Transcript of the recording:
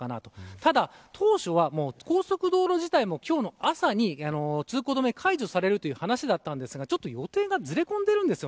ただ、当初は高速道路自体も今日の朝に通行止めが解除される話だったんですが予定がずれ込んでいるんです。